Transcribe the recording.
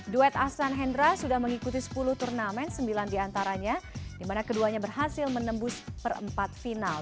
duet asan hendra sudah mengikuti sepuluh turnamen sembilan di antaranya dimana keduanya berhasil menembus perempat final